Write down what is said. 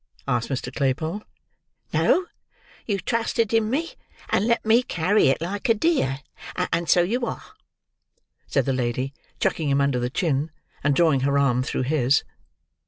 asked Mr. Claypole. "No; you trusted in me, and let me carry it like a dear, and so you are," said the lady, chucking him under the chin, and drawing her arm through his.